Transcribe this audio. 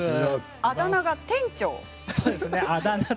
あだ名が店長です。